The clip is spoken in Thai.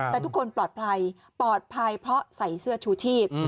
แต่ทุกคนปลอดภัยปลอดภัยเพราะใส่เสื้อชูชีพ